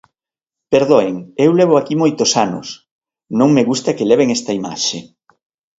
Perdoen, eu levo aquí moitos anos, non me gusta que leven esta imaxe.